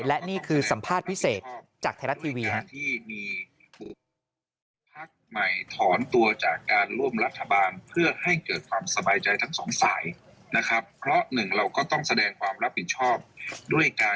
และนี่คือสัมภาษณ์พิเศษจากไทยรัฐทีวี